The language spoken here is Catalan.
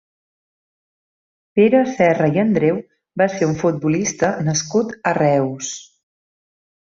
Pere Serra i Andreu va ser un futbolista nascut a Reus.